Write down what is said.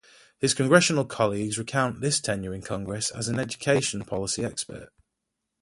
His congressional colleagues recount his tenure in congress as an education-policy expert.